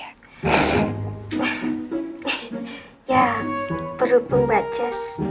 ya berhubung mbak cis